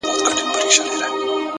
هره تجربه د درک نوی رنګ لري!